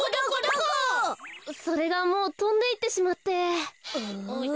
それがもうとんでいってしまって。